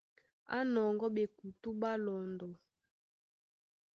Á nɔŋgɔ́ ɓekutú ɓá lɔndɔ.